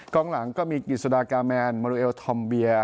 กลางหลังก็มีกิสดากาแมนมโนเอลธอมเบีย